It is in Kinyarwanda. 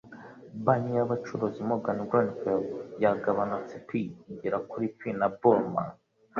Banki y'abacuruzi Morgan Grenfell yagabanutse p igera kuri p na Burmah,